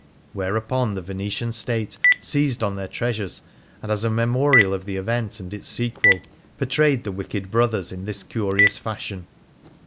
Whereupon the Venetian State seized on their treasures, and as a memorial of the event and its sequel, portrayed the wicked brothers in this curious fashion.